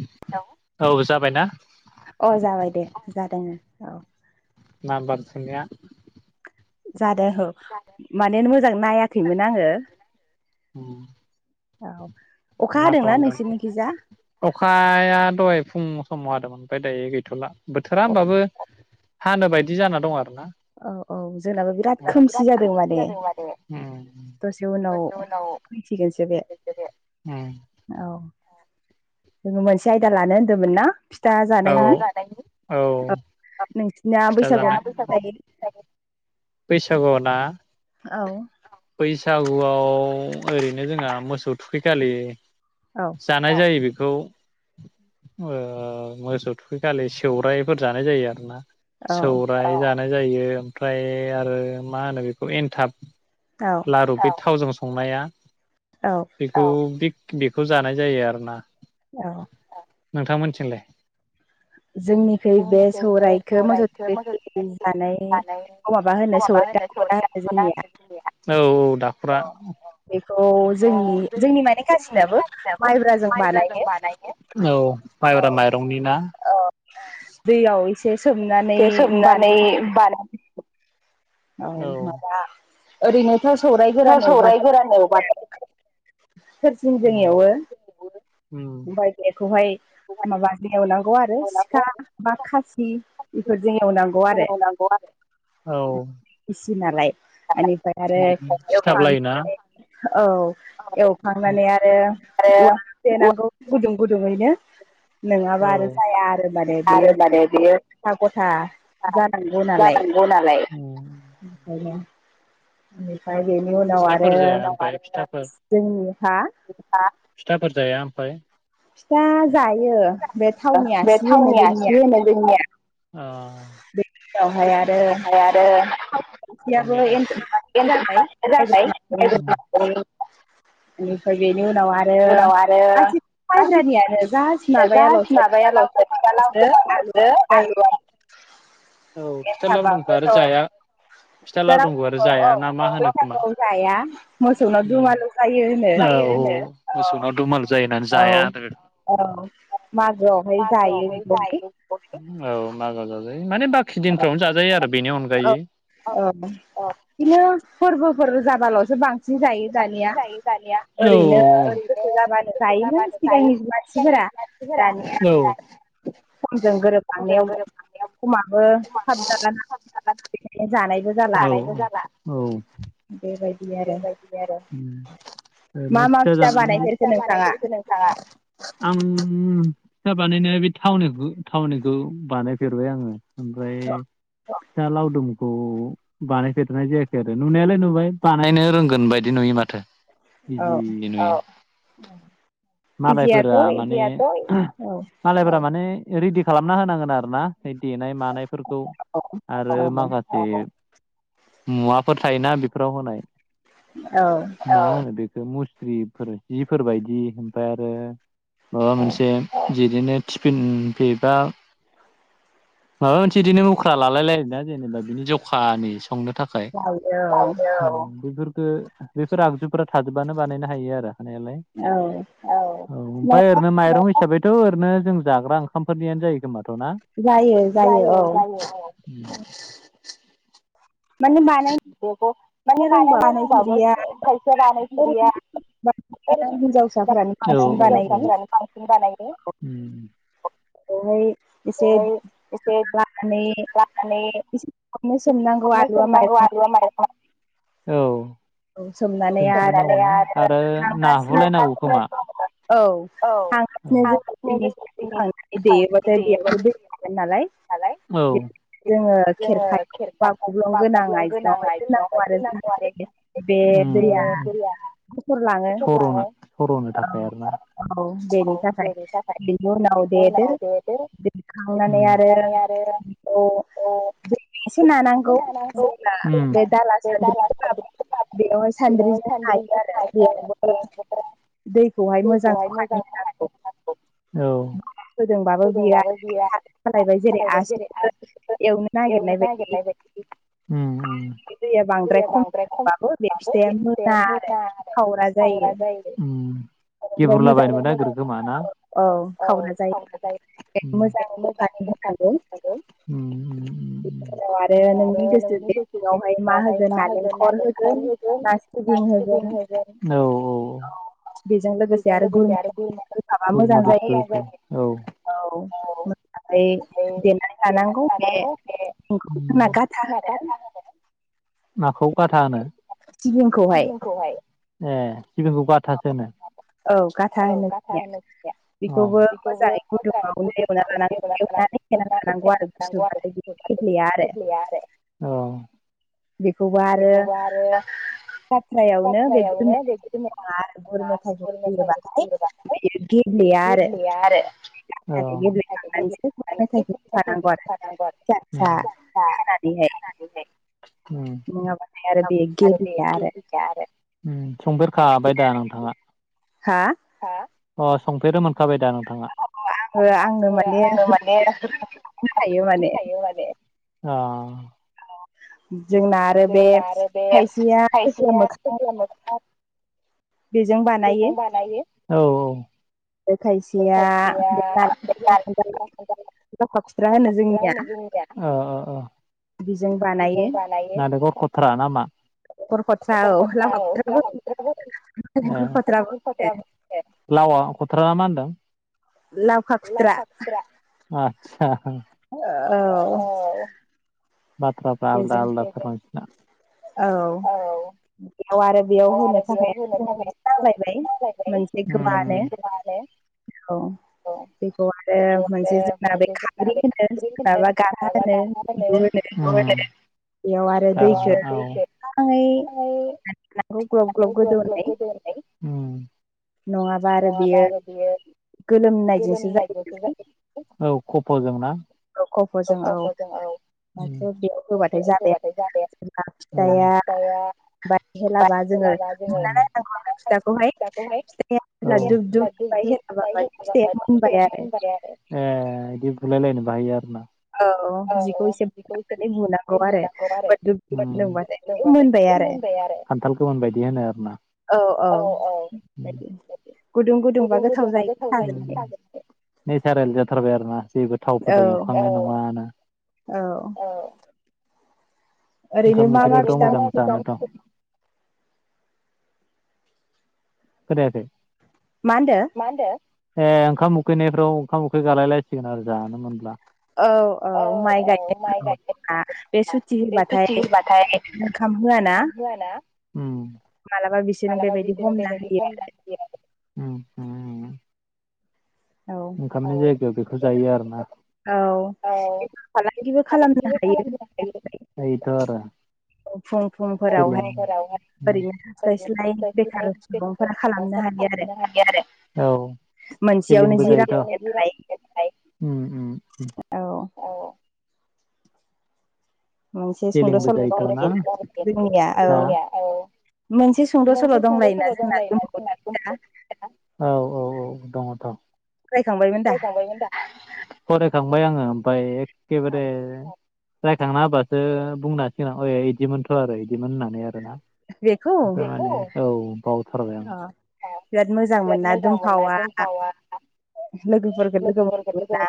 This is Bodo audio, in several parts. हेलौ, औ जाबायना अ जाबाय दे जादों औ नाबार सनिया जादों औ माने मोजां नायाखैमोन आङो औ अखा हादोंना नोंसोरनि खिजा अखाया दहाय फुं समाव होदोंमोन ओमफाय दायो गैथ'ला बोथोरा होमबाबो हानो बायदि जाना दं आरोना औ औ जोंनाबो बिराद दाबा बिराद खोमसि जादों माने हम दसे उनाव फैसिगोनसो बे उम औ जोङो मोनसे आयदा लानो होनदोंमोन ना फिथा जानायनि औ नोंसिनिया बैसागुआव मा मा जायो औ बैसागुआव ना औ बैसागुआव ओरैनो जोंहा मोसौ थुखैखालि औ जानाय जायो बेखौ ओ मोसौ थुखै खालि सौरायफोर जानाय जायो आरोना सौराय जानाय जायो ओमफ्राय आरो मा होनो बेखौ एन्थाब लारु बे थावजों संनाया बेखौ बे बेखौ जानाय जायो आरोना औ अ नोंथां मोनथिंलाय जोंनिखै बे सौरायखो मोसौ थुखैनाय नि जानाय औ औ दाखुरा बेखौ जोंनि जोंनि माने गासिनाबो माइब्राजों बानायो औ मायब्रा माइरंनि ना दैयाव एसे सोमनानै बाना इ बानाय औ माबा ओरैनोथ' सौराय गोरान एवबाथाय जोंनिया सोर जिं जों एवो ओमफाय बेखौहाय माबाजों एवनांगौ आरो सिखा बा खासि बेफोरजों एवनांगौ आरो। नांगौ आरो औ गिसि नालाय एनिफ्राय आरो एवखां नाय औ एवखांनानै आरो उवा देनांगौ गुदुं गुदुङैनो नोङाबा आरो जाया आरो माने बेयो। था गथा जानांगौ नालाय। गौ नालाय उम खायनो बेनिफाय बेनि उनाव आरो जोंनि हा फिथाफोर जाया ओमफाय। फिथा जायो बे थावनि आसि होनो जोंनिया होनो जोंनिया आ बेव [unintelligible] हाय आर उनावहाय आरो थावनि आसि [unintelligible] एनिफ्राय बेनि उनाव आरो गासैबो माइब्रानिानो जा माबायालसो फिथा लावदुमा ल'सो आलुवा‌ जायो। औ फिथा‌ लावदुमखौ आरो जाया। फिथा लावदुमखौ आरो जाया ना मा होनो खोमा। उम खायो होनो औ औ मोसौनाव दुमाल जायो होननानै जाया आरो बेखौ। औ मागोहाय जायोै बेखौहाय औ मागोआव जाजायो माने बाखि दिनफ्रावनो जाजायो आरो बेनि अन औ औ बिदिनो फोरबोफोर जाबाल'सो बां जि दायो दानिया ओरैनो गोसो जाबानो दायोमोन सिगांनि मानसिफोरा औ समजों गोरोब लांनायाव खमाबो थाब जालाना बेखायनो जानायबो जाला। बेबाय बेबायदिनो आरो मा मा फिथा बानायफेरखो नों थाङा? आं फिथा बानायनाया बे थावखौ थावनिखौ बानाय फेरबाय आङो। ओमफ्राय फिथा लावदुमखौ बानायफेरनाय जायाखै आरो नुनायालाय नुबाय। बानायनो रोंगोन बायदि नुयो माथो। इजिनो मालायफोरा माने मालायफोरा माने रेडि खालामना होनांगोन आरो ना। है देनाय मानायफोरखौ आरो माखास ए मुवाफोर थायोना बेफोराव होनाय। औ मा होनो बेखो मुस्रिफोर जिफोर बायदि ओमफाय आरो माबा मोनसे जिदिनो थिफिन फिबा माबा मोनसे इदिनो मुख्रा लालाय लायो आरोना जेनेबा बिनि जखानि संनो था खाय बेफोरफोरखो बेफोर आगजुफोरा थाजोबबानो बानायनो हायो आरो हानायालाय। औ ओमफ्राय ओरैनो माइरं हिसाबैथ' ओरैनो जों जाग्रा ओं ओंखामफोरनियानो जायो खोमाथ' ना। जायो जायो उम माने बानाय बेबो माने मानायनो रोंबाबो खायसे बानाय फेरिया [unintelligible] औ औ [unintelligible] हिनजावसाफोरानो बांसिन बानायो [unintelligible] एसे लानानै एसे सोमनांगौ आलुआ माइरंआ आलुआ माइरंआ औ सोमनानै आरो [unintelligible] नाहुलायनांगौ खोमा? औ [unintelligible] देयोबाथाय [unintelligible] नालाय जोङो खेरखायाव बा गब्लं गोनां आइजेङाव हाय दोननांगौ आरो [unintelligible] उम उम सर'नो सर'नो थाखाय आरोना। औ बेनि थाखाय बिनि उनाव दे दो दे दो खांनानै आरो बेखौ दैजोंसो नानांगौ जेब्ला बे दाला सान्द्रिखौ लाबाय बेवहाय बेयाव सान्द्रिजों [unintelligible] आरो [unintelligible] दै खौहाय मोजां बाहायनो रोंनांगौ औ होदोंबाबो गैया आरो सालायबाय जेरै [unintelligible] [inaudible] एवनो नागिरनाय बायदि उम उम दैया बांद्राय खमबाबो बे फिथाइया मोना आरो खावरा जायो। [unintelligible] उम गेब्रुला बायनोबो नागिरो खोमाना औ [inaudible] दैखौ मोजां जखानि होनांगौ उम उनाव आरो नोंनि गोसो बे सिङावहाय मा होगोन नालेंखर होगोन लास सिबिं होगोन [unintelligible] औ औ बेजों लोगोसे आरो गुर मेथाय [unintelligible] थाबा मोजां जायो औ ओमफ्राय देनानै लानांगौ बे ओंखाम होना गाथा होनो [inaudible] माखौ गाथा होनो? सिबिंखौहाय ए सिबिंखौ बाथासो होनो। औ गाथा होनो जोंनिया बेखौबो मोजाङै गुदुंआवनो एवना लानांगोन एवनानै होना लानांगौ आरो गुसुबाथाय बि गेब्लेया आरो औ बेखौ बा आरो फाख्रायावनो बेदिनो [unintelligible] [unintelligible] गुर मेथाइजों होयोबाथाय गेब्लेया आरो उम [unintelligible] [unintelligible] उम नङाबा [unintelligible] आरो उम संफेरखाबायदा नोंथाङा? हा हा अ संफेरनो मोनखाबाय दा नोंथाङा? [unintelligible] ओ आङो माने होनखायो माने अ जोंना आरो बे खायसेया [unintelligible] मोखांआव बेजों बानायो औ औ थाय गैया अ अ अ जों बानायो नालेंखर खथ्रा नामा खरखा औ उम लावआ खथ्रा मा होनदों लाव खथ्रा आतसा औ बाथ्राफ्रा आलदा -आलदा थार नोंसोर ना औ बेयाव आरो बेयाव होनो थाखाय जालायबाय मोनसे गोबानो औ बेखौ आरो मोनसे जोंना बे खारै होनो जाबा गारा होनो बिगुर उम उम बेयाव आरो दैखौ मोजाङै ग्लब -ग्लब गोदौैहोनाय उम नङाबा आर बियो गोलोमनाय औ खफ'जोंना खफ'जों औ माथो बेयाव होबाथाय जाबाय आरो फिथाया बाय हेलाबा जोङो मोननानैांगौ फिथाखौहाय द द ब आरो ए बिदि भुलाय लायनो बो हायो आरो ना औ जिखौ एसे बनानै बुनांगौ आरो ब द होनदोंबथाय बथाय मोनबाय आरो खान्थाल गोमोन बायदि होनो आरो ना औ औबाय गुदुं गुदुंबा गोथाव जायो साजोबनानै नेसारेल जाथारबाय आरो ना जेबो थावफोरजों एवखांनाय नङाा औ ओंखाम ओंख्रिफ्राव मोजां जागोनथ खोनायाखै मा होनदो मा होनो ए ओंखाम उखैनायफ्राव ओंखाम उखै गालायलायसिगोन आरो जानो मोनब्ला औ औ माइ गाइ बे सुत हबाथाय ओंखाम होआ ना मा बा बि मालबा बिखोनो ब ओंखामनाय जायगायाव बेखौ जायो आरोना औ बे फालांगिबो खालामनो हायो थ' आरो फुं फुंफोरावहाय ओरैनो हास्लाय -स्लाय बेखार सुबुंफोरा खालामनो हायो आरो मोनसेयावनो जि रां [inaudible] औ सलिं बजना मोनसे सुंद' साव दंलायोना जोंना औ औ औ दङथ' फरायखांबायमोन फरायखांबायमोन दा फरायखांबाय आङो ओमफ्राय एखेबारे रायखांना होबासो बुंनांसिगोनां बिदिमोनथ' आरो बिदिमोन होननानै आरोना मान औ ब अ बिराद मोजां मोनना दुमफावा लोगोफोर लोगोफोरखौ लोगो मोनदोंना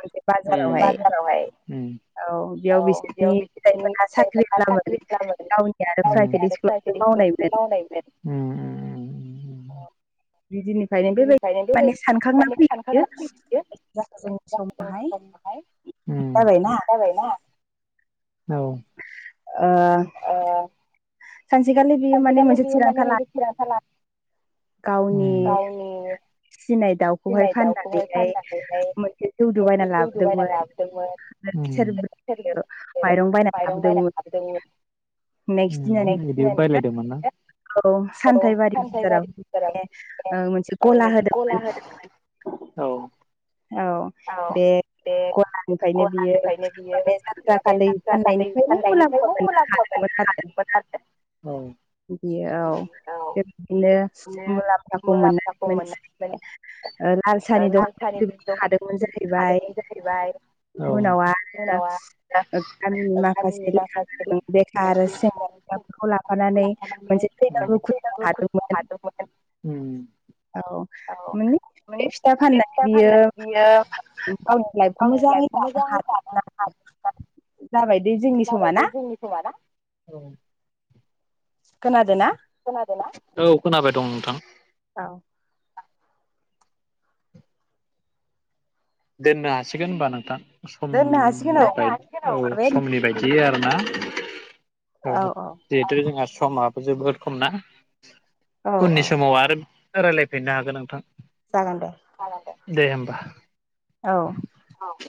मोनसे बाजारावहाय औ बेयाव बिसोरनि [unintelligible] साख्रि खालामो गावनि आरो प्राइभेट स्कुल प्रायभेट स्कुल आवबो मावनायानो। उम उम बिदिनो ओमफ्रायनो बेबायदि माने सानखांना फैखायो जोंनि समावहाय उम जाबायना औ ओ ओ सानसेखालि बियो माने मोनसे थिरांथा लानो गावनि फिनाय दाव खौहाय फाननानैहाय मोनसे जौदु बायना लाबोदोंमोन सेरब्रै माइरं बायनानै लाबोदोंमोन नेक्स दिन [inaudible] बायल दोंमोनना औ सानथाइबारिफोराव माने गलाहोदों औ औ बे गलानिफ्रायनो बियो माने जाथ्राखलि फाननायनिफ्रायनो मुलाम्फा मोननो हादों मोनआरो बियो। औ बेबायदिनो मुलाम्फाखौ मोननानै मोनसे लाल साहानि दखान थारैनो जों गुबुन हादोरनि [unintelligible] जाहैबाय उनाव आरो गामिनि माखासे लेखागोरोंफोर बेखार सेंग्रा फोरखौ लाफानानै मोनसे [unintelligible] खुलिनो हादोंमोन उम औ माने फिथा फाननानै बियो गावनि लाइफखौ मोजाङै दानो हागो आरो जाबाय दे जोंनि समा ना समना औ खोनादोंना खोनादों ना? औ खोनाबाय दं नोंथां। औ दोननो हासिगोन होनोमबा नोंथां समनि औ समनि बायदि आरो ना औ जिहेथु जोंहा समाबो जोबोद खम ना। उननि समाव आरो रायलायफिननो हागोन नोंथां जागोन दे दे होमबा औ औ